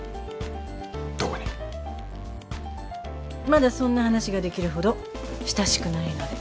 まだそんな話ができるほど親しくないので。